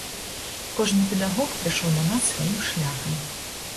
Кожны педагог прыйшоў да нас сваім шляхам.